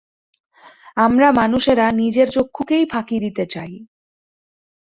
আমরা মানুষেরা নিজের চক্ষুকেই ফাঁকি দিতে চাই।